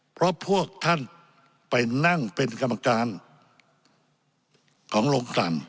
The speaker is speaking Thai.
เพราะพวกท่านไปนั่งเป็นกรรมการของโรงกลั่น